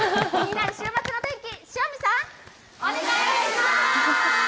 それでは週末の天気、塩見さん。